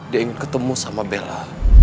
dia ingin ketemu sama bella